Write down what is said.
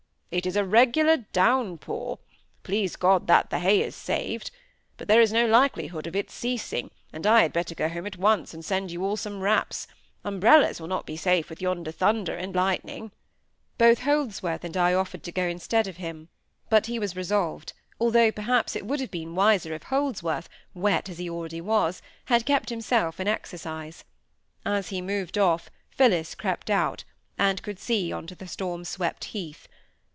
"It is a regular downpour. Please God that the hay is saved! But there is no likelihood of its ceasing, and I had better go home at once, and send you all some wraps; umbrellas will not be safe with yonder thunder and lightning." Both Holdsworth and I offered to go instead of him; but he was resolved, although perhaps it would have been wiser if Holdsworth, wet as he already was, had kept himself in exercise. As he moved off, Phillis crept out, and could see on to the storm swept heath.